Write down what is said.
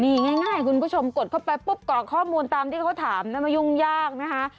นี่ง่ายคุณผู้ชมกดเข้าไปปุ๊บก่อข้อมูลตามที่เขาถามนะมันยุ่งยากนะคะ